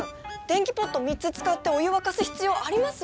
電気ポット３つ使ってお湯沸かす必要あります？